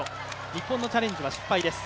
日本のチャレンジは失敗です。